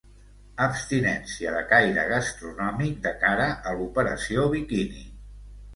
Abstinència de caire gastronòmic, de cara a l'operació biquini.